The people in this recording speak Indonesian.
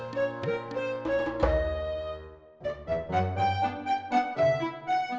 bisa doku agak ribet tapi rasanya lihat